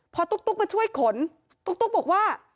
พอตุ๊กมาช่วยขนตุ๊กบอกว่า